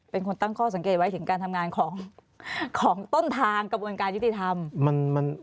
เป็นคนตั้งข้อสังเกตไว้ถึงการทำงานของต้นทางกระบวนการยุติธรรม